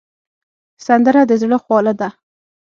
سندره د زړه خواله ده